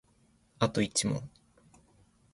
あと一問